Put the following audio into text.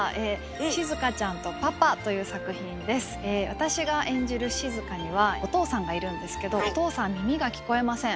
私が演じるしずかにはお父さんがいるんですけどお父さん耳が聞こえません。